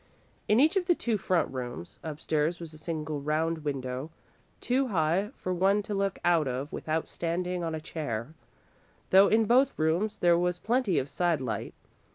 In each of the two front rooms, upstairs, was a single round window, too high for one to look out of without standing on a chair, though in both rooms there was plenty of side light.